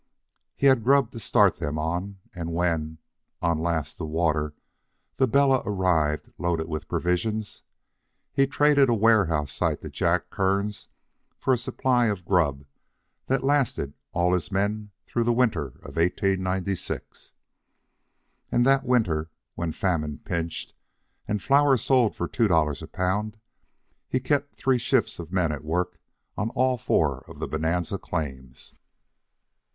He had grub to start them on, and when, on the last water, the Bella arrived loaded with provisions, he traded a warehouse site to Jack Kearns for a supply of grub that lasted all his men through the winter of 1896. And that winter, when famine pinched, and flour sold for two dollars a pound, he kept three shifts of men at work on all four of the Bonanza claims.